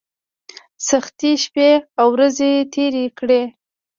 سختۍ شپې او ورځې تېرې کړې.